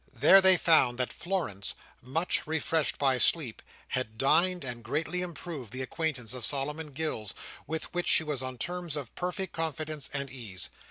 There they found that Florence, much refreshed by sleep, had dined, and greatly improved the acquaintance of Solomon Gills, with whom she was on terms of perfect confidence and ease.